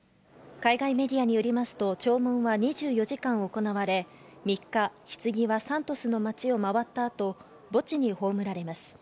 海外メディアによりますと弔問は２４時間行われ、３日、棺はサントスの町を回った後、墓地に葬られます。